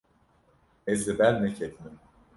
Ez li ber neketime.